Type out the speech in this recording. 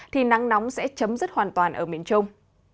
thì nắng nóng sẽ chấm dứt hoàn toàn ở miền trung